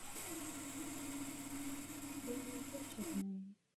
Adler byl povoláním advokát a tlumočník poslanecké sněmovny.